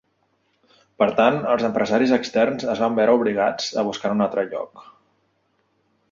Per tant, els empresaris externs es van veure obligats a buscar en un altre lloc.